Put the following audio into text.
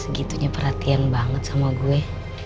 segitunya perhatian banget sama gue